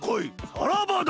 さらばだ！